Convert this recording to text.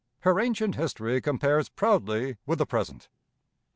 Her ancient history compares proudly with the present.